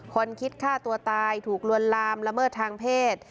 คนคิดฆ่าตัวตายถูกลวนลามละเมิดทางเพศ